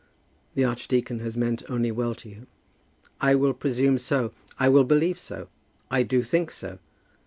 "The archdeacon has meant only well to you." "I will presume so. I will believe so. I do think so.